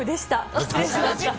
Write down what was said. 失礼いたしました。